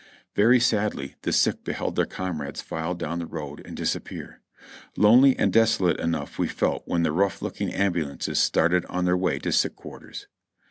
Very sadly the sick beheld their comrades file down the road and disappear. Lonely and desolate enough we felt when the rough looking ambulances started on their way to sick quarters.